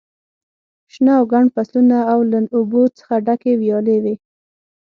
شنه او ګڼ فصلونه او له اوبو څخه ډکې ویالې وې.